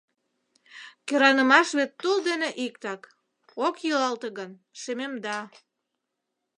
Кӧранымаш вет тул дене иктак: ок йӱлалте гын, шемемда.